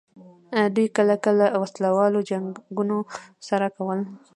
دوی کله کله وسله وال جنګونه سره کول.